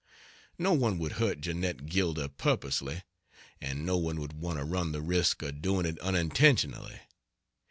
No one would hurt Jeannette Gilder purposely, and no one would want to run the risk of doing it unintentionally.